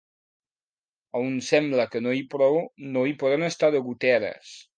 On sembla que no hi plou no hi poden estar de goteres.